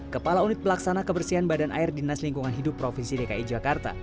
kepala unit pelaksana kebersihan badan air dinas lingkungan hidup provinsi dki jakarta